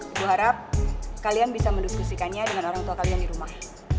ibu harap kalian bisa mendiskusikannya dengan orang tua kalian di rumah